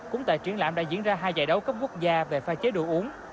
cũng tại triển lãm đã diễn ra hai giải đấu cấp quốc gia về pha chế đồ uống